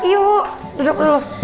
yuk duduk dulu